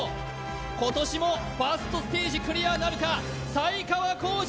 今年もファーストステージクリアなるか才川コージ